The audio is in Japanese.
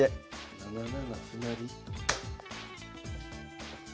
７七歩成。